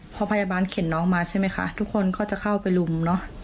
พอพยาบาลเข็นน้องมาใช่ไหมคะทุกคนก็จะเข้าไปลุมเนอะ